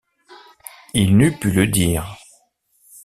Il n’eût pu le dire.